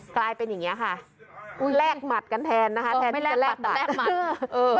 กลายเป็นอย่างเงี้ยค่ะอุ้ยแลกหมัดกันแทนนะคะไม่แลกบัตรแลกหมัด